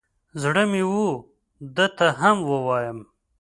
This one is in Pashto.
زړه مې و ده ته هم ووایم.